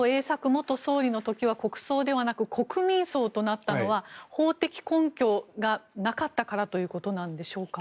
元総理の時は国葬ではなく国民葬となったのは法的根拠がなかったからということなんでしょうか。